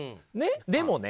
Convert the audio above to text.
でもね